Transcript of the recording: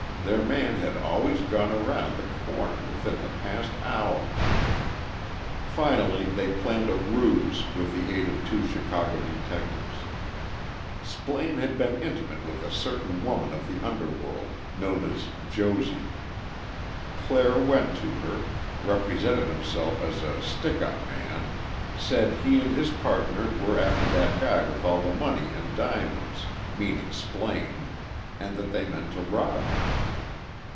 Their man had always gone around the corner within the past hour. Finally they planned a ruse with the aid of two Chicago detectives. Splaine had been intimate with a certain woman of the underworld, known as "Josie." Clare went to her, represented himself as a "stick up man," said he and his partner were after that guy with all the money and diamonds, meaning Splaine, and that they meant to rob him.